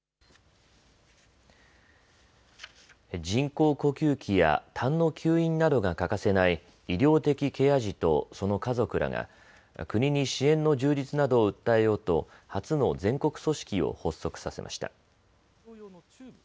人工呼吸器や、たんの吸引などが欠かせない医療的ケア児とその家族らが国に支援の充実などを訴えようと初の全国組織を発足させました。